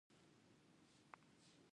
ایا ستاسو ژبه به بډایه وي؟